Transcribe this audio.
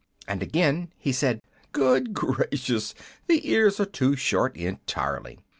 And again he said, 'Good gracious! the ears are too short entirely!'